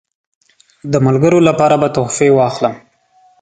د ملګرو لپاره به تحفې واخلم.